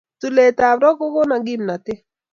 tulet ap rock kokono kimnatet